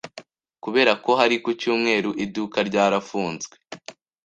Kubera ko hari ku cyumweru, iduka ryarafunzwe.